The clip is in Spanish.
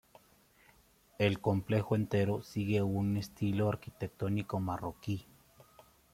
El complejo entero sigue una estilo arquitectónico marroquí.